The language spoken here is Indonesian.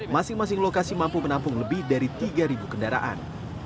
masing masing lokasi mampu menampung lebih dari tiga kendaraan